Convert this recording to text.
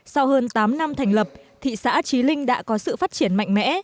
sau hơn tám năm thành lập thị xã trí linh đã có sự phát triển mạnh mẽ